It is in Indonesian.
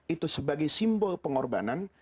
itu sebagai simbol pengorbanan